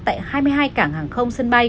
tại hai mươi hai cảng hàng không sân bay